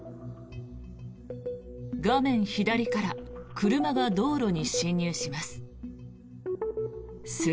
画面左から車が道路に進入します。